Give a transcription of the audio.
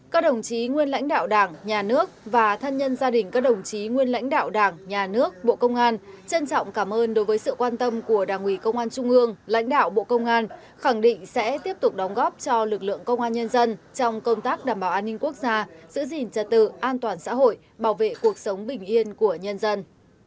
các đồng chí nguyên lãnh đạo đảng nhà nước và thân nhân gia đình các đồng chí nguyên lãnh đạo đảng nhà nước bộ công an trân trọng cảm ơn đối với sự quan tâm của đảng ủy công an trung ương lãnh đạo bộ công an khẳng định sẽ tiếp tục đóng góp cho lực lượng công an nhân dân trong công tác đảm bảo an ninh quốc gia giữ gìn trật tự an toàn xã hội bảo vệ cuộc sống bình yên của nhân dân